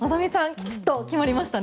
きちっと決まりましたね。